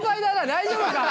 大丈夫か！？